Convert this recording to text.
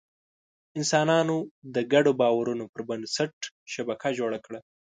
انسانانو د ګډو باورونو پر بنسټ شبکه جوړه کړه.